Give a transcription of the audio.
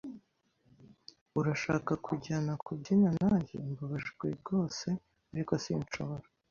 "Urashaka kujyana kubyina nanjye?" "Mbabajwe rwose, ariko sinshobora."